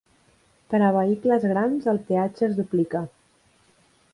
Per a vehicles grans, el peatge es duplica.